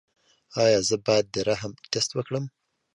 ایا زه باید د رحم ټسټ وکړم؟